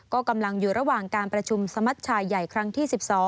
ก็กำลังอยู่ระหว่างการประชุมสมัชชายใหญ่ครั้งที่๑๒